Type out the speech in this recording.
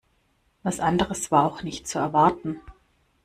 Was anderes war auch nicht zu erwarten.